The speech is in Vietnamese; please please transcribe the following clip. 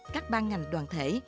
các ban ngành đoàn thể